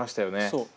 そう。